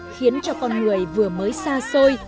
khiến cho con người vừa mới xa xôi